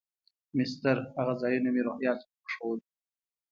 مسطر هغه ځایونه مې روهیال ته ور وښوول.